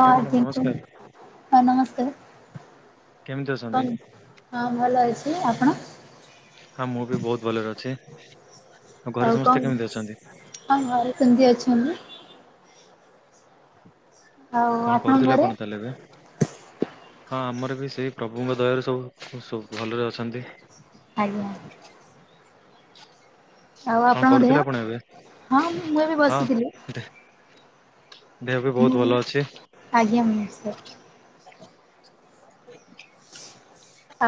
ଆଜ୍ଞା ମ୍ୟାଡ଼ାମ ନମସ୍କାର [inaudible] ହଁ ନମସ୍କାର। କେମିତି ଅଛନ୍ତି? କଣ ହଁ ଭଲ ଅଛି ଆପଣ? ହଁ ମୁଁ ବି ବହୁତ ଭଲରେ ଅଛି। ଆଉ ଘରେ ଆଉ କଣ ସମସ୍ତେ କେମିତି ଅଛନ୍ତି? ହଁ ଘରେ ସେମିତି ଅଛନ୍ତି। ଆଉ କଣ ଆପଣଙ୍କ କରୁଥିଲେ ଘରେ? ଆପଣ ତାହେଲେ ଏବେ? ହଁ ଆମର ବି ସେଇ ପ୍ରଭୁଙ୍କ ଦୟାରୁ ସବୁ ସବୁ ଭଲରେ ଅଛନ୍ତି। ଆଜ୍ଞା। ଆଉ କଣ ଆପଣଙ୍କ ଦେହ? କରୁଥିଲେ ଆପଣ ଏବେ? ହଁ ମୁଁ ଏବେ ହଁ ବସିଥିଲି ଦେ ଦେହ ବି ମୁଁ ବହୁତ ଭଲ ଅଛି। ଆଜ୍ଞା ନମସ୍କାର।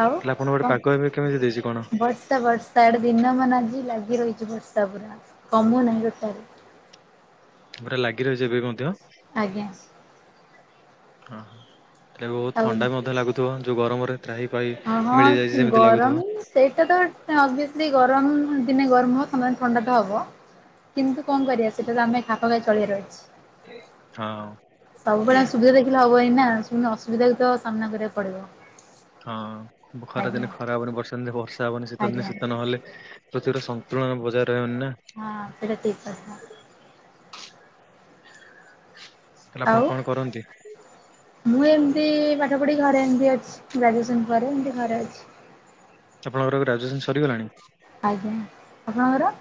ଆଉ ଆପଣଙ୍କ, ଗୋଟେ କଣ ପାଗ ଏବେ, କେମିତି ଦେଇଛି କଣ? ବର୍ଷା ବର୍ଷ- ତାଡ଼େ ଦିନ ମାନ ଆଜି ଲାଗି ରହିଛି ବର୍ଷା ପୁରା, କମୁ ନାହିଁ ଟୋଟାଲ୍। ପୁରା ଲାଗି ରହିଛି ଏବେ ମଧ୍ୟ? ଆଜ୍ଞା। ଅଁ ହ। ଏବେ ବହୁତ ଆଉ ଥଣ୍ଡା ବି ମଧ୍ୟ ଲାଗୁଥିବ, ଯୋଉ ଗରମରେ ତ୍ରାହି ପାହି ହଁ ମିଳିଯାଇଛି ହଁ ଯେମିତି ଗରମ ଲାଗୁଥିବ। ସେଇଟା ତ ଅଭିଅସଲି ଗରମ ଦିନେ ଗରମ ହବ, ସମାନ ଥଣ୍ଡା ତ ହବ କିନ୍ତୁ କଣ କରିବା, ସେଇଟା ତ ଆମେ ଖାପଖାଇ ଚଳିବାର ଅଛି। ହଁ ସବୁବେଳେ ସୁବିଧା ଦେଖିଲେ ହବ ନି ନା, ସ୍ପୁନ ଅସୁ - ସୁବିଧା କୁ ତ ସାମ୍ନା କରିବାକୁ ପଡ଼ିବ। ହଁ, ଖରାଦିନେ ଖରା ହବନି, ବର୍ଷାଦିନେ ବର୍ଷା ହବନି, ଶୀତ ଆଜ୍ଞା ଦିନ ଶୀତ ନହେଲେ ପୃଥିବୀର ସନ୍ତୁଳନ ବଜାଇ ରହିବନି ନା। ହଁ ସେଟା ଠିକ୍ କଥା। ତା, ହେଲେ ଆଉ ଆପଣ କଣ କରନ୍ତି? ମୁଁ ଏମିତି ପାଠ ପଢ଼ି ଘରେ ଏମିତି ଅଛି, ଗ୍ରାଜୁଏସନ୍ ପରେ ଏମିତି ଘରେ ଅଛି। ଆପଣଙ୍କର ଗ୍ରାଜୁଏସନ୍ ସରିଗଲାଣି? ଆଜ୍ଞା, ଆପଣଙ୍କର?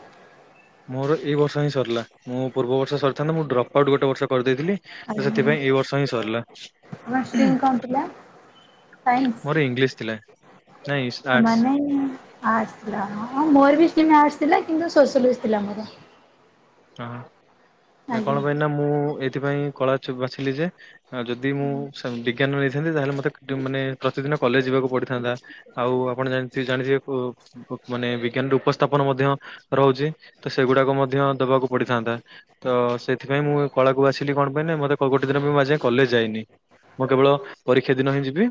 ମୋର ଏଇ ବର୍ଷ ହିଁ ସରିଲା। ମୁଁ ପୂର୍ବ ବର୍ଷ ସରିଥାନ୍ତା, ମୁଁ ଡ୍ରପ୍ ଆଉଟ୍ ଗୋଟେ ବର୍ଷ କରିଦେଇଥିଲି ତ, ସେଥିପାଇଁ ଏଇ ବର୍ଷ ହିଁ ସରିଲା। ତମର ଷ୍ଟ୍ରିମ୍ କଣ ଥିଲା? ସାଇନ୍ସ ମୋର ଇଂଲିଶ ଥିଲା, ନାଇଁ ଆର୍ଟସ୍। ମାନେ ଆର୍ଟସ୍ ଥିଲା। ହଁ, ମୋର ବି ଷ୍ଟ୍ରିମ୍ ଆର୍ଟସ ଥିଲା, କିନ୍ତୁ ସୋସିଓଲୋଜୀ ଥିଲା ମୋର। ହଁ, କଣ ଆଜ୍ଞା। ପାଇଁ ନା, ମୁଁ ଏଇଥିପାଇଁ କଳା ଚୁ ବାଛିଲି ଯେ ଆଉ ଯଦି ମୁଁ ସେମ୍ ବିଜ୍ଞାନ ନେଇଥାନ୍ତି, ତାହେଲେ ମତେ ମାନେ ପ୍ରତିଦିନ କଲେଜ ଯିବାକୁ ପଡିଥାନ୍ତା। ଆଉ ଆପଣ ଜାଣି- ଜାଣିଥିବେ କୋପ୍ ବୁକ୍ ମାନେ ବିଜ୍ଞାନର ଉପସ୍ଥାପନ ମଧ୍ୟ ରହୁଛି ତ, ସେଗୁଡାକ ମଧ୍ୟ ଦବାକୁ ପଡିଥାନ୍ତା, ତ ସେଥିପାଇଁ ମୁଁ କଳାକୁ ବାଛିଲି, କଣ ପାଇଁ ନା ମତେ ଗୋଟେ ଦିନ ପାଇଁ ମୁଁ ଆଜି ଯାଏଁ କଲେଜ ଯାଇନି। ମୁଁ କେବଳ ପରୀକ୍ଷା ଦିନ ହିଁ ଯିବି।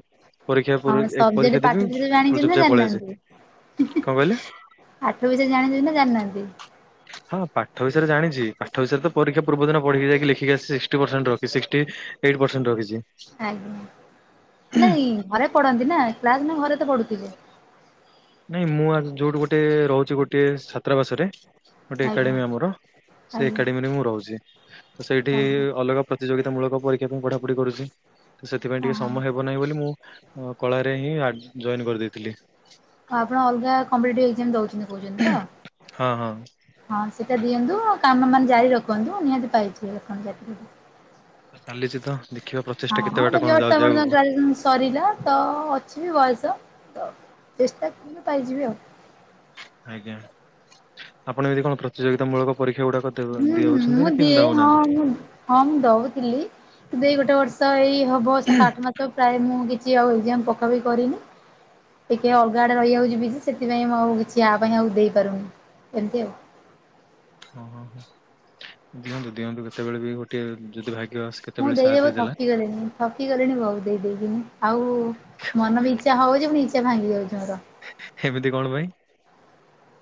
ପରୀକ୍ଷା ପୁରେ, ହଁ ଏ ସବଜେକ୍ଟ ପରୀକ୍ଷା ପାଠ ଦେବି ବିଷୟରେ ପୁଣି ଜାଣିଛନ୍ତି ଚୁପ୍ ନା ଚାପ୍ ପଳେଇ ଆସେ। ଜାଣିନାହାନ୍ତି କଣ କହିଲେ? ପାଠ ବିଷୟରେ ଜାଣିଛନ୍ତି ନା ଜାଣିନାହାଁନ୍ତି? ହଁ, ପାଠ ବିଷୟରେ ଜାଣିଛି। ପାଠ ବିଷୟରେ ତ ପରୀକ୍ଷା ପୂର୍ବଦିନ ପଢିକି ଯାଇି ଲେଖିକି ଆସିଛି, ସିକ୍ସଟି ପର୍ସେଣ୍ଟ ରଖିଛି। ସିକ୍ କ୍ଟି ଏଇଟ୍ ପର୍ସେଣ୍ଟ ରଖିଛି। ଆଜ୍ଞା ନାଇଁ ଘରେ ପଢନ୍ତି ନା, କ୍ଲାସ୍ ନା ଘରେ ତ ପଢୁଥିବେ? ନାଇଁ ମୁଁ ଆଜ୍ ଯୋଉଠି ଗୋଟେ ରହୁଛି, ଗୋଟେ ଛାତ୍ରାବାସରେ ଗୋଟେ ଆଜ୍ଞା ଏକାଡେମୀ ଆମର ସେ ଆଜ୍ଞା ଏକାଡେମୀରେ ମୁଁ ରହୁଛି। ତ ସେଇଠି ଆଜ୍ଞା ଅଲଗା ପ୍ରତିଯୋଗିତା ମୂଳକ ପରୀକ୍ଷା ପାଇଁ ପଢାପଢି କରୁଛି, ତ ସେଥିପାଇଁ ହଁ ଟିକେ ହଁ ଆଉ ସମୟ ହେବ ନାହିଁ ବୋଲି ମୁଁ ହଁ, କଳାରେ ହିଁ ଆଡ୍ ଜଏନ୍ କରିଦେଇଥିଲି। ଆପଣ ଅଲଗା କମ୍ପିଟେଟିଭ୍ ଏକ୍ଜାମ ଦଉଛନ୍ତି କହୁଛନ୍ତି ହଁ ହଁ ତ? ହଁ, ସେଇଟା ଦିଅନ୍ତୁ। ଆଉ କାମ ମାନେ ଜାରି ରଖନ୍ତୁ। ନିହାତି ପାଇଯି [unintelligible] ଚାଲିଛି ତ ଦେଖିବା ପ୍ର ହଁ, ଏବେ ତ ଜଷ୍ଟ ତ, ଆପଣ ତ ଗ୍ରାଜୁଏସନ୍ ସରିଲା। ତ-ଅ ଅଛି ବୟସ। ତ ଚେଷ୍ଟା କଲେ ପାଇଯିବେ ଆଉ। ଆଜ୍ଞା, ଆପଣ ଯଦି କଣ ପ୍ରତିଯୋଗିତା ମୂଳକ। ପରୀକ୍ଷା ଗୁଡାକ ଦେଉ ହୁଁ ହୁଁ ମୁଁ ଦେଉଛନ୍ତି ନା କେମ ଦିଏ ହଁ ଦେଉନାହାନ୍ତି। ମୁଁ ହଁ ମୁଁ ଦଉଥିଲି କିନ୍ତୁ ଏଇ ଗୋଟେ ବର୍ଷ ଏଇ ହବ ସାତ ଆଠ ମା ତ ପ୍ରାୟ ମୁଁ କିଛି ଆଉ ଏକ୍ଜାମ୍ ପକା ପକି କରିନି। ଟିକେ ଅଲଗା ଆଡ଼େ ରହିଯାଉଛିି ବିଜି ସେଥିପାଇଁ ମୁଁ ଆଉ କିଛି ୟା ପାଇଁ ଆଉ ଦେଇପାରୁନି ଏମିତି ଆଉ। ହଁ ହଁ ହଁ ଦିଅନ୍ତୁ ଦିଅନ୍ତୁ କେତେବେଳେ ବି ଗୋଟିଏ ଯଦି ଭାଗ୍ୟ ଆସ ମୁଁ ଦେଇ ଦେବ ଥକିଗଲିଣି। ଥକି ଗଲିଣି ବହୁତ ଦେଇ ଦେଇ କି ମୁଁ ଆଉ ମନ ବି ଇଚ୍ଛା ହଉଛି ପୁଣି ଇଚ୍ଛା ଭାଙ୍ଗି ଯାଉଛି ମୋର। ଏମିତି କଣ ପାଇଁ?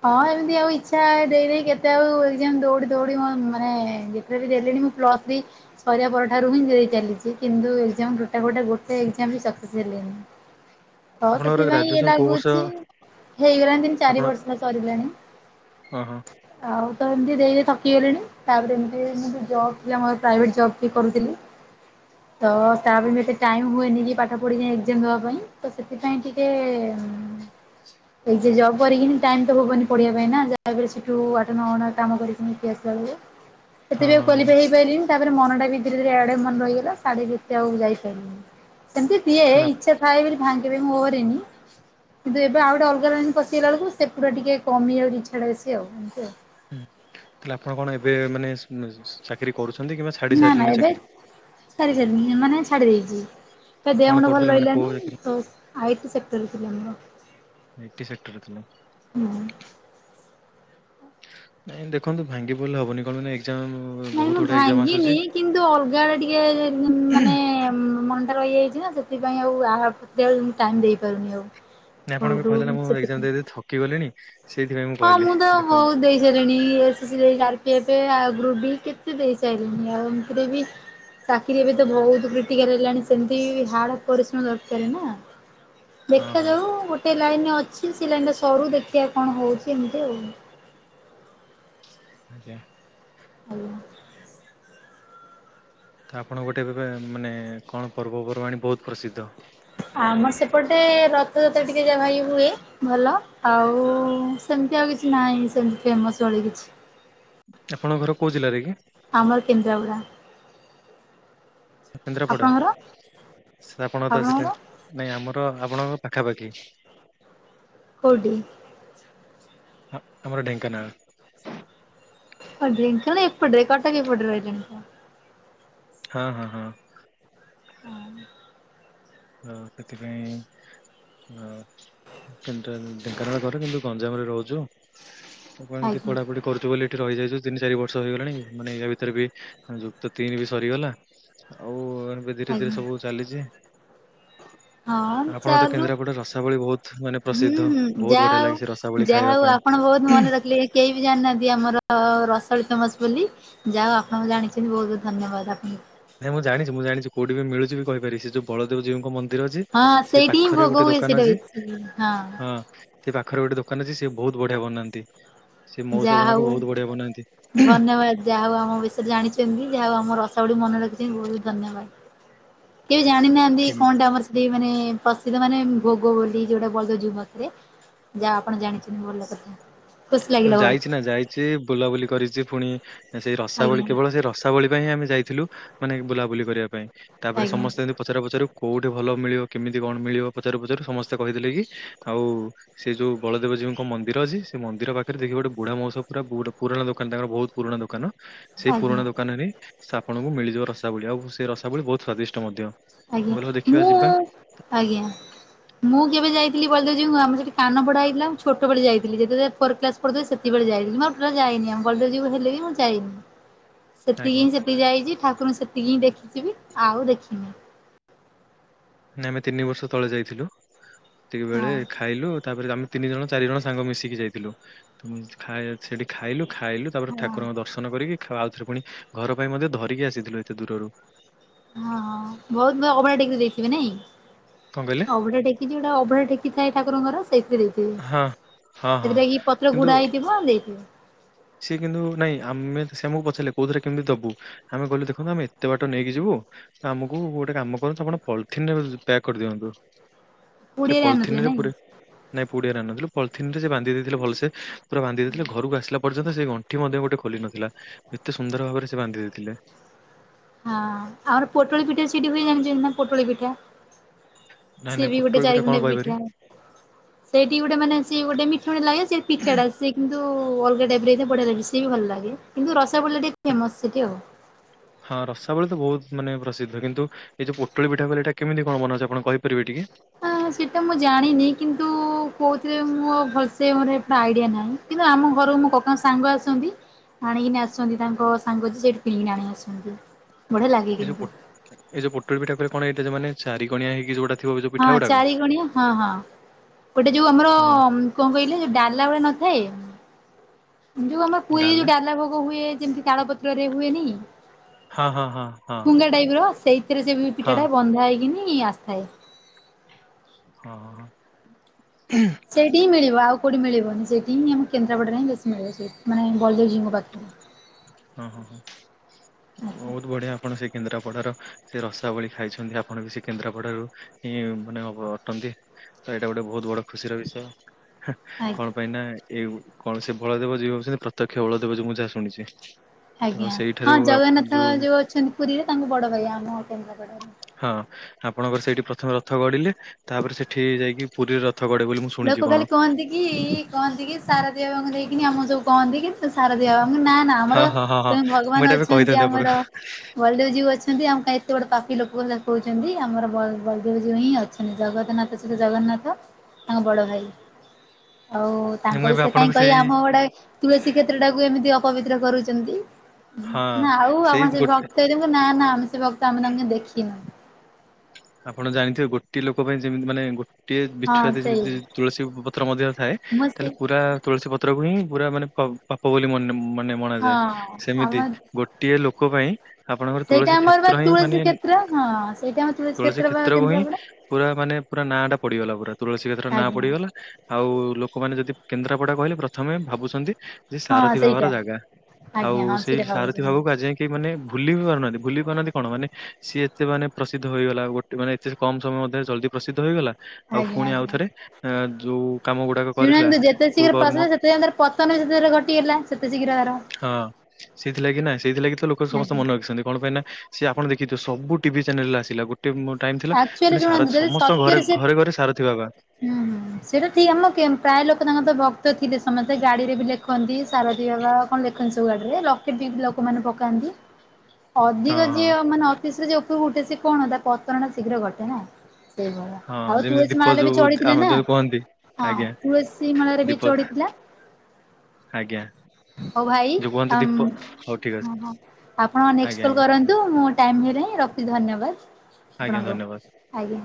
ହଁ ଏମିତି ଆଉ ଇଚ୍ଛା ଦେଇ ଦେଇ କେତେ ଆଉ ଏକ୍ଜାମ୍ ଦୌଡ଼ି ଦୌଡ଼ି ମୁଁ ମାନେ ରେ ବି ଦେଲିଣି ମୁଁ ପ୍ଲସ ଥ୍ରି। ସରିବା ପରଠାରୁ ହିଁ ଦେଇ ଚାଲିଛି। କିନ୍ତୁ ଏକ୍ଜାମ୍ ଗୋଟା ଗୋଟା ଗୋଟେ ଏକ୍ଜାମ ବି ସକ୍ସେସ୍ ହେଲିନି। ହଁ ଆପଣଙ୍କର ସେଥିପାଇଁ ଇଏ ଗ୍ରାଜୁଏସନ କୋଉ ବର୍ଷ ଲାଗୁଛି ହେଇଗଲାଣି ତିନ ଚାରି ଆପଣ ବ ସରିଲାଣି। ଓହୋ ଆଉ ତ ଏମିତି ଦେଇ ଦେଇ ଥକି ଗଲିଣି ତାପରେ ଏମିତି ମୁଁ ବି ଜବ୍ ଆମର ପ୍ରାଇଭେଟ ଜବ୍ ବି କରୁଥିଲି। ତ ତା ପାଇଁ ବି ଏତେ ଟାଇମ୍ ହୁଏନି କି ପାଠ ପଢ଼ିକି ଏକ୍ଜାମ ଦେବା ପାଇଁ ତ ସେଥିପାଇଁ ଟିକେ ଉଁ। ଏଇ ଯେ ଜବ୍ କରିକି ଟାଇମ୍ ତ ହବନି ପଢ଼ିବା ପାଇଁ ନା ଯାହା ବି ସେଠୁ ଆଠ ନଅ ଘଣ୍ଟା କାମ କରିକି [unintelligible] ଆସିଲା ବେଳକୁ। ହଁ ସେଥିରେ ବି ଆଉ ହଁ କ୍ୱାଲିଫାଏ ହେଇପାରିଲିନି ତାପରେ ମନ ଟା ବି ଧୀରେ ଧୀରେ ଆଡ଼େ ମନ ରହିଗଲା ସିଆଡ଼େ ବି ଏତେ ଆଉ ଯାଇପାରିଲିନି। ସେମିତି ଦିଏ କଣ ଇଚ୍ଛା [unintelligible] ଭାଙ୍ଗିବି ମୁଁ ଓହରିନି କିନ୍ତୁ ଏବେ ଆଉ ଗୋଟେ ଅଲଗା ଲାଇନ୍ ପସିଗଲା ବେଳକୁ। ସେ ପୁରା ଟିକେ କମି ଯାଉଛି ଇଚ୍ଛା ଟା ବେଶୀ ଆଉ ଏମିତି ଆଉ। ହୁଁ ତାହଲେ ଆପଣ କଣ ଏବେ ମାନେ ଉଁ [unintelligible] ଚାକିରି କରୁଛନ୍ତି କିମ୍ବା ଛାଡ଼ି ସାରିଲେଣି ଚାକିରି? ଛାଡ଼ି ସାରିଲିଣି ମାନେ ଛାଡ଼ି ଦେଇଛି। ତା ଦେହ କଣ ମୁୁଣ୍ଡ ଭଲ କରୁଥିଲେ ମାନେ କୋଉ ରହିଲାନି ଚାକିରି? ତ ଆଇ ଟି ସେକ୍ଟରରେ ଥିଲା ମୋର। ଆଇ ଟି ସେକ୍ଟରରେ ଥିଲା। ହୁଁ। ନାଇଁ ଦେଖନ୍ତୁ ଭାଙ୍ଗି ପଡ଼ିଲେ ହବନି କଣ ମାନେ ଏକ୍ଜାମ୍। ନାଇଁ ମୁଁ ଭାଙ୍ଗିନି କିନ୍ତୁ ଅଲଗା ଆଡ଼େ ଟିକେ ମୁଁ ମାନେ ଉଁ ମନଟା ରହିଯାଇ ଚି ନା ସେଥିପାଇଁ ଆଉ ଆ ହା ଏତେ ଆଡୁ ଟାଇମ ଦେଇପାରୁନି ଆଉ। ନାଇଁ ଆପଣ ଏବେ ହଉଠୁ କହିଲେ ନା ମୁଁ ଏକ୍ଜାମ୍ ସେଥିପାଇଁ ଦେଇ ଦେଇ ଥକିଗଲିଣିି ସେଇଥିପାଇଁ ମୁଁ ହଁ କହିଲି ତ ଦେଖ [unintelligible] [unintelligible] ଏସ୍ ଏସ୍ ସି ରେ ଏଇ ଆର ପି ଏଫ୍ ଆଗରୁ ବି କେତେ ଦେଇ ସାଇଲିଣି ଆଉ ଏମିତିରେ ବି। ଚାକିରି ଏବେ ତ ବହୁତ କ୍ରିଟିକାଲ ହେଲାଣି ସେମିତି ହାର୍ଡ ପରିଶ୍ରମ ଦରକାର ନା। ହଁ ଦେଖା ହଁ ଯାଉ ଗୋଟେ ଲାଇନ ଅଛି ସେ ଲାଇନ୍ ଟା ସରୁ ଦେଖିବା କଣ ହଉଛି ଏମିତି ଆଉ। ଆଜ୍ଞା। ଆଜ୍ଞା। ତ ଆପଣଙ୍କ ପଟେ ଏବେ ଏବେ ଉଁ ମାନେ କଣ ପର୍ବପର୍ବାଣୀ ବହୁତ ପ୍ରସିଦ୍ଧ? ଆମର ସେପଟେ ରଥଯାତ୍ରା ଟିକେ ଯାହା ଭାଈ ହୁଏ। ଭଲ ଆଉ ସେମିତି ଆଉ କିଛି ନାହିଁ ସେମିତି ଫେମସ୍ ଭଳି କିଛି। ଆପଣଙ୍କ ଘର କୋଉ ଜିଲ୍ଲାରେ କି? ଆମର କେନ୍ଦ୍ରାପଡ଼ା। କେନ୍ଦ୍ରାପଡ଼ା ଆପଣଙ୍କର ସେ ଆପଣଙ୍କ ତ ଆପଣଙ୍କର ସେଟା ନାଇଁ ଆମର ଆପଣଙ୍କ ପାଖାପାଖି। କୋଉଠି? ହଁ ଆମର ଢେଙ୍କାନାଳ। ଅ ଢେଙ୍କାନାଳ ଏପଟେ କଟକ ଏପଟରେ ରହିଲାଣି ତ। ହଁ ହଁ ହଁ ତ ସେଥିପାଇଁ ହଁ କିନ୍ତୁ ଢେଙ୍କାନାଳ ଘର କିନ୍ତୁ ଗଞ୍ଜାମରେ ରହୁଛୁ। ହଁ ଏମିତି ଆଜ୍ଞା ପଢ଼ାପଢ଼ି କରୁଛୁ ବୋଲି ଏଠି ରହିଯାଇଛୁ। ତିନି ଚାରି ବର୍ଷ ହେଇଗଲାଣି ମାନେ ୟା ଭିତରେ ବି ଯୁକ୍ତ ତିନି ବି ସରିଗଲା। ଆଉ ଏବେ ଧୀରେ ଧୀରେ ଆଜ୍ଞା ସବୁ ଚାଲିଛି। ହଁ ଆପଣ ତ ଚାଲୁ କେନ୍ଦ୍ରାପଡ଼ା ରସାବଳି ବହୁତ ମାନେ ଉଁ ପ୍ରସିଦ୍ଧ ହୁଁ ବହୁତ ଯା ବଢିଆ ହଉ ଲାଗେ ସେ ରସାବଳି ଯାହା ଖାଇବା ହଉ ଆ ପାଇଁ ପଣ ବହୁତ ମନେ ରକିଏ କେହି ବି ଜାଣିନାହାନ୍ତି ଆମର ରସଲ୍ ଫେମସ୍ ବୋଲି ଯାହା ଆପଣ ଜାଣିଚନ୍ତି ବଉତୁ ଧନ୍ୟବାଦ ଆପଣଙ୍କୁ। ନାଇଁ ମୁଁ ଜଣିଚ଼ି ମୁଁ ଜାଣିଚ଼ି କଉଠି ବି ମିଳୁଚ଼ି ବି କହିପାରି ସେ ଯୋଉ ବଳଦେବଜୀଉଙ୍କ ମନ୍ଦି ନ୍ଦିର ଅଛି ହଁ ସେ ସେଇଠି ହିଁ ପାଖରେ ଭୋଗ ଗୋଟେ ହୁଏ ଦୋକାନ ସେଇଟା ଅଛି, ବେଶୀ ହଁ। ସେ ପାଖରେ ଗୋଟେ ଦୋକାନ ଅଛି ସେ ବହୁତୁ ବଢିଆ ବନାନ୍ତି। ସେ ମଉସା ଯାହା ଜଣକ ହଉ ବହୁତ ବଢିଆ ବନାନ୍ତି। ଧନ୍ୟବାଦ ଯାହା ହଉ ଆମ ବିଷୟରେ ଜାଣିଚନ୍ତି ଯାହା ହଉ ଆମ ରସାବଳି କୁ ମନେ ରଖିଚ଼ନ୍ତି ବହୁତୁ ଧନ୍ୟବାଦ। କେଇ ଜାଣିନାହାନ୍ତି କଣଟା ଆମର ସେ ସେଦି ମାନେ ପ୍ରସିଦ୍ଧ ମାନେ ଭୋଗ ବୋଲି ଯୋଉଟା ବଳଦେବଜୀଉ ପାଖରେ ଯା ଆପଣ ଜାଣିଚ଼ନ୍ତି ଭଲ କଥା। ଖୁସି ଲାଗିଲା ବହୁତ ଯାଇଛି ନା ଯାଇଛି ବୁଲାବୁଲି କରିଚ଼ି ଫୁଣି ସେଇ ରସାବଳି ଆଜ୍ଞା କେବଳ ସେ ରସା ଥାବଳି ପାଇଁ ଆମେ ଯାଇଥିଲୁ ମାନେ ବୁଲାବୁଲି କରିବା ପାଇଁ। ତାପରେ ଆଜ୍ଞା ସମସ୍ତେ ପଚାରୁ ପଚାରୁ କୋଉଠି ଭଲ ମିଳିବ କେମିତି କଣ ମିଳିବ ପଚାରୁ ପଚାରୁ ସମସ୍ତେ କହିଦେଲେ କି ଆଉ ସେ ଯୋଉ ବଳଦେବଜୀଉଙ୍କ ମନ୍ଦିର ଅଛି ସେ ମନ୍ଦିର ପାଖ୍ ରେ ଦେଖିବ ଗୋଟେ ବୁଢା ମଉସ ପୁରା ବୁଢ ପୁରଣା ଦୋକାନ ତାଙ୍କର ବହୁତ ପୁରୁଣା ଦୋକାନ ସେ ଆଜ୍ଞା। ପୁରୁଣା ଦୋକାନରେ ସ ଆପଣଙ୍କୁ ମିଳିଯିବ ରସାବଳି ଆଉ ସେ ରସାବଳି ବହୁତ୍ ସ୍ଵାଦିଷ୍ଟ ମଧ୍ୟ। ମୁଁ ଆଜ୍ଞା କହିଲି ହଉ ଦେଖିବା ମୁଁ ଯିବା ଆଜ୍ଞା। ମୁଁ କେବେ ଯାଇଥିଲି ବଳଦେବଜୀଉ ଆମ ସେଠି କାନ ଫୋଡା ହେଇଥିଲା ଛୋଟବେଳେ ଯଇଥିଲି ଯେତେବେଳେ ଫୋର୍ କ୍ଲାସ୍ ପରୁଥିଲି ସେତିକିବେଳେ ଯାଇ [unintelligible] ମୁଁ ପରେ ଯାଇନି ଆଉ ବଳଦେବଜୀଉ ହେଲେ ବି ମୁଁ ଯାଇନି। ସେତିକି ଆଜ୍ଞା ହିଁ ସେତିକି ଯାଇଚ଼ି ଠାକୁରଙ୍କୁ ସେତିକି ହିଁ ଦେଖିଚିବି ଆଉ ଦେଖିନି। ନା ଆମେ ତିନି ବର୍ଷ ତଳେ ଯାଇଥିଲୁ ତିକି ବେଳେ ହଁ। ଖାଇଲୁ ତାପରେ ଆମେ ତିନି ଜଣ, ଚାରି ଜଣ ସାଙ୍ଗ ମିଶିକି ଯାଇଥିଲୁ ତ ଖାଇ ସେଠି ଖାଇଲୁ ଖାଇଲୁ ତାପରେ ହଁ ଠାକୁରଙ୍କ ଦର୍ଶନ କରିକି ଖା ଆଉଥରେ ପୁଣି ଘର ପାଇଁ ମଧ୍ୟ ଧରିକି ଆସିଥିଲୁ ଏତେ ଦୂରରୁ। ହଁ ବହୁତୁ [unintelligible] ଅଭଡା ଟେକି ଦେଇଥିବେ ନାଇଁ କଣ କହିଲେ ଅଭଡା ଟେକ୍ କିଚି ଗୋଟେ ଅଭଡ଼ା ଟେକିଥାଏ ଠାକୁରଙ୍କ ସେଥିରେ [unintelligible] ହଁ ହଁ ହଁ। ସେଥିରେଗି ପତ୍ର କିନ୍ତୁ ଗୁଡା ହେଇଥିବ ଦେଇଥିବ। ସିଏ କିନ୍ତୁ ନାଇଁ ଆମେ ସେ ଆମକୁ ପଚାରିଲେ କୋଉଥିରେ କେମିତି ଦବୁ? ଆମେ କହିଲୁ ଦେଖନ୍ତୁ ଆମେ ଏତେ ବାଟ ନେଇକି ଯିବୁ ଆମକୁ ଗୋଟେ କାମ କରନ୍ତୁ ଆପଣ ପଲିଥିନରେ ପ୍ୟାକ୍ କରିଦିଅନ୍ତୁ। ସେ ପୁଡିଆରେ ଆଣିନଥିଲେ ପଲିଥିନରେ ନାଇଁ? ପୁରେ ନାଇଁ ପୁଡିଆରେ ଆଣିନଥିଲୁ ପଲିଥିନ ରେ ସେ ବାନ୍ଧି ଦେଇଥିଲେ ଭଲସେ ପୁରା ବାନ୍ଧି ଦେଇଥିଲେ ଘରକୁ ଆସିଲା ପର୍ଯ୍ୟନ୍ତ ସେ ଗଣ୍ଠି ମଧ୍ୟ ଗୋଟେ ଖୋଲି ନଥିଲା ଏତେ ସୁନ୍ଦର ଭାବରେ ସେ ବାନ୍ଧି ଦେଇଥିଲେ। ହଁ ଆମର ପୋଟଳି ପିଠା ସେଠି ହୁଏ ଜାଣିଚ଼ନ୍ତି ନା ପୋଟଳି ପିଠା? ନାଇଁ ସେ ନାଇଁ ବି ଗୋଟେ ପୋଟଳ କଣ ଚାରିଖଣ୍ଡିଆ କହିପାରିବେ? ପିଠା। ସେଇଠି ଗୋଟେ ମାନେ ସିଏ ଗୋଟେ ମିଠା ମିଠା ଲାଗେ ସେ ପିଠାଟା ସେ କିନ୍ତୁ ଅଲଗା ଟାଇପ୍ ରେ ଏ ବଢିଆ ଲାଗେ ସେବି ଭଲ ଲାଗେ। କିନ୍ତୁ ରସାବଳିଟା ଟିକେ ଫେମସ୍ ସେଠି ଆଉ। ହଁ ରସାବଳୀ ତ ବହୁତ ମାନେ ପ୍ରସିଦ୍ଧ କିନ୍ତୁ ଏ ଯୋଉ ପୋଟଳି ପିଠା କହିଲେ ଏଟା କେମତି କଣ ବନାଯାଏ ଆପଣ କହିପାରିବେ ଟିକେ? ଅଁ ସେଟା ମୁଁ ଜାଣିନି କିନ୍ତୁ କଉଥିରେ ମୁଁ ଆଉ ଭଲସେ ମୋର ଏ ଆଇଡିଆ ନାହିଁ। କିନ୍ତୁ ଆମ ଘରକୁ ମୋ କକାଙ୍କ ସାଙ୍ଗ ଆସନ୍ତି ଆଣିକିନି ଆସନ୍ତି ତାଙ୍କ ସାଙ୍ଗ ଯେ କିଣି ଆଣି ଆସନ୍ତି। ବଢିଆ ଲାଗେ ଏ ଯୋଉ କିନ୍ତୁ ପୋ ଏ ଯୋଉ ପୋଟଳି ପିଠା କଲେ କଣ ଏଇଟା ମାନେ ଚାରି କଣିଆ ହେଇକି ଯୋଉଟା ଥିବ ଯୋଉ ହଁ ପିଠା ଗୁଡାକ? ଚାରିକଣିଆ ହଁ ହଁ ଗୋଟେ ଯୋଉ ଆମର ହଁ କଣ କହିଲେ ଯୋଉ ଡାଲା ଗୁଡା ନଥାଏ ଯୋଉ ଆମ ପୁରୀରେ ଯୋଉ ଡାଲା ଭୋଗ ହୁଏ ଯେମିତି ତାଳପତ୍ରରେ ହୁଏନି? ହଁ ହଁ ହଁ ହଁ। ଆ ଟାଇପି ର ସେଇଥିରେ ସେ ହଁ ପିଠାଟା ବନଢା ହେଇକିନି ଆସଥାଏ। ହଁ, ହଁ, ହଁ ହୁଁ ହୁ। ସେଇଠି ହିଁ ମିିଳିବ ଆଉ କୋଉଠି ଠିଳିବନି। ସେଇଠି ହିଁ ଆମ କେନ୍ଦ୍ରାପଡ଼ାରେ ହିଁ ବେଶି ମିଳିବ ସେଇଠି ମାନେ ବଳଦେବଜୀଙ୍କଙ୍କ ପାଖରେ। ହଁ, ହଁ, ହଁ। ଆଜ୍ଞା ବହୁତ ବଢ଼ିଆ ଆପଣ ସେ କେନ୍ଦ୍ରାପଡ଼ାର ସେ ରସାବଳି ଖାଇଛନ୍ତି ଆପଣ ବି ସେ କେନ୍ଦ୍ରାପଡ଼ାରୁ ଏହିଁ ମାନେ ଅଟନ୍ତି ତ ଏଇଟା ଗୋଟେ ବହୁତ ବଡ଼ ଖୁସିର ବିଷୟ। କଣ ପାଇଁ ନା ଏ କୌଣସି ବଳଦବଜୀଉ ବିଷୟରେ ପ୍ରତ୍ୟକ୍ଷ ବଳଦବ ମୁଁ ଯାହା ଶୁଣିଛି। ତ ଆଜ୍ଞା। ହଁ ସେଇଠାରୁ ଆ- ଜଗନ୍ନାଥ ଯୋଉ ଅଛନ୍ତି ପୁରୀରେ ତାଙ୍କୁ ବଡ଼ ଭାଇ ଆମ କେନ୍ଦ୍ରାପଡ଼ାରେ ହଁ ଆପଣଙ୍କର ସେଇଠି ପ୍ରଥମେ ରଥ ଗଡ଼ିଲେ ତାପରେ ସେଠି ଯାଇକି ପୁରୀରେ ରଥ ଗଡେ ବୋଲି ମୁଁ ଶୁଣିଛି ଲୋକ କଣ। ଖାଲି କହନ୍ତି କି କହନ୍ତି କି ସାରଦିଆ ବାବୁଙ୍କୁ ଦେଇକି ଆମ ଯ କହନ୍ତି କି ସାରଦିଆ ବାବୁ ଙ୍କୁ ନା ନା। ହଁ ଆମର ହଁ ହଁ ହଁ ସେ ମୁଁ ଭଗବାନ୍ ଏଇଟା ଏବେ ଅଛନ୍ତି କହିଥାନ୍ତି ଆମର। ଆପଣଙ୍କୁ ବଳଦେବଜୀଉ ଅଛନ୍ତି। ଆମ କୁ ଏତେ ବଡ଼ ପାପି ଲୋକ ବୋଲି କହୁଛନ୍ତି ଆମର ବଳଦେବ ଜ୍ଵାଇଁ ହିଁ ଜଗନ୍ନାଥ ସେ ଜଗନ୍ନାଥ ତାଙ୍କ ବଡ଼ ଭାଇ। ଆଉ ମୁଁ ତାଙ୍କ ଏବେ ବିଷୟରେ କାହିଁ ଆପଣଙ୍କୁ ସେଇ କହିବା। ଆମ ଗୁଡ଼େ ତୁଳସୀ କ୍ଷେତ୍ର ଟାକୁ ଏମିତି ଅପବିତ୍ର କରୁଛନ୍ତି। ହଁ ନା ଆଉ ସେଇ ଆପଣ ସେ ଗୋଟେ ଭକ୍ତ ହେଇଚି ନା ନା ଆମେ ସେ ଭକ୍ତ ଆମେ ତାଙ୍କୁ ଦେଖିନୁ ଆପଣ ଜାଣିଥିବେ ଗୋଟେ ଲୋକ ପାଇଁ ଯେମିତି ମାନେ ଗୋ ଟିକିଏ ହଁ ବିଛୁଆତି ସେଇ ଯଦି ତୁଳସୀ ପତ୍ର ମଧ୍ୟ ଥାଏ ମୁଁ ସେ ତାହେଲେ ପୁରା ତୁଳସୀ ପତ୍ରକୁ ହିଁ ପୁରା ମାନେ ପାପ ପାପ ବୋଲି ମନେ ହଁ ମନାଯାଏ। ଆମ ସେମିତି ଗୋଟି ଗୋଟିଏ ଲୋକ ପାଇଁ ଆପଣଙ୍କର ସେଇଟା ତୁଳସୀ ଆମର ବା କ୍ଷେତ୍ର ହିଁ ତୁଳସୀ ମାନେ କ୍ଷେତ୍ର ହଁ ସେଇଟା ଆମର ତୁଳସୀ। ତୁଳସୀ କ୍ଷେତ୍ର ବା କ୍ଷେତ୍ରକୁ ହିଁ କେନ୍ଦ୍ରାପଡା। ପୁରା ମାନେ ପୁରା ନାଁ ଟା ପଡ଼ିଗଲା ପୁରା ତୁଳସୀ କ୍ଷେତ୍ରର ନାଁ ଆଜ୍ଞା ପଡ଼ିଗଲା। ଆଉ ଲୋକମାନେ ଯଦି କେନ୍ଦ୍ରାପଡ଼ା କହିଲେ ପ୍ରଥମେ ଭାବୁଛନ୍ତି ସେ ହଁ ସାରଥିୀ ବାବାର ସେଇଟା ଜାଗା। ଆଉ ଆଜ୍ଞା ହଁ ସେଇ ସେଇଟା ସାରଥିୀ ଭାବୁଛନ୍ତି ବାବାକୁ ଆଜି ଯାଏ କେ ସେ ମାନେ ଭୁଲି ବି ପାରୁନାହାନ୍ତି ଭୁଲି ପାରୁନାହାନ୍ତି କଣ ମାନେ ସିଏ ଏତେ ମାନେ ପ୍ରସିଦ୍ଧ। ପ୍ରସିଦ୍ଧ ହୋଇଗଲା ଗୋଟେ ମାନେ ଏତେ କମ୍‌ସମୟ ମଧ୍ୟରେ ଜଲ୍‌ଦି ପ୍ରସିଦ୍ଧ ହୋଇଗଲା। ଆଉ ଆଜ୍ଞା ପୁଣି ଆଉ ଆଜ୍ଞା। ଥରେ ଯୋ--ଉ କାମ ଗୁଡ଼ାକ କରିଥିଲା କ ସେ ତର ପତନ ସେତେ ଘଟିଯାଇଥିଲା ସେତେ ଶୀଘ୍ର ଆର। ହଁ ସେଥିଲାଗି ନା ସେଇଥିଲାଗି ତ ଲୋକ ସମସ୍ତେ ଆଜ୍ଞା ମନେ ରଖିଛନ୍ତି କଣ ପାଇଁ ନା ସେ ଆପଣ ଦେଖିଥିବେ ସବୁଟିଭି ଚ୍ୟାନେଲ୍‌ ରେ ଆସିଲା। ଟେ ମ ଟାଇମ୍‌ ଥିଲା ଆକ୍ଚୁଆଲି ମାନେ ଶୁଣନ୍ତୁ ସାରଥୀ ଯଦି ସମସ୍ତଙ୍କ ଘରେ ସତ୍ୟରେ ସେ ଘରେ ଘରେ ସାରଥୀ ବାବା। ହୁଁ ହୁଁ ସେଇଟା ଠିକ୍ ଆମ ପ୍ରାୟ ଲୋକ ତାଙ୍କର ତ ଭକ୍ତ ଥିଲେ ସମସ୍ତେ ଗାଡ଼ିରେ ବି ଲେଖନ୍ତି। ସାରଥୀ ବାବା କଣ ଲେଖନ୍ତି ସବୁ ଗାଡ଼ିରେ। ଲକେଟ୍ ଲକେଟ୍ ବି ଚିନାବାଦାମ ରେ ପକାନ୍ତି। ହଁ ଅଧିକ ଯିଏ ମାନେ ଅଫିସ୍‌ରେ ଯିଏ ଉପରକୁ ଉଠେ ସେ କଣ ତା ପତନ ଟା ଶୀଘ୍ର ଘଟେ ନା। ସେଇ ପରା ହଁ ହଁ ଆଉ ଯେମିତି ତୁଳସୀ ଦୀପ ମଳାଲେ ବି ଯୋଉ ଚଢ଼ିଥିଲେ ଆମ ନାଁ ଯୋଉ କୁହନ୍ତି ହଁ ଆଜ୍ଞା ତୁଳସୀ ମଳାରେ ବି ଦୀପ ଚଢ଼ିଥିଲା। ହଁ ଆଜ୍ଞା। ହଉ ଭାଇ ଯୋଉ ଆଉ କୁହନ୍ତି ଆଁମ୍ ଦୀପ ହଉ ଠିକ ଅଛି ଓହୋ ଆପଣ ନେଷ୍ଟ ଆଜ୍ଞା କଲ୍‌ ଆଜ୍ଞା କର। ତୁ ମୁଁ ଟାଇମ୍ ରେ ହିଁ ରଖି ଧନ୍ୟବାଦ ଆଜ୍ଞା ଆପଣଙ୍କୁ ଧନ୍ୟବାଦ। ଆଜ୍ଞା।